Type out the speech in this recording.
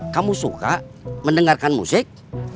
kamu suka mendengarkan musik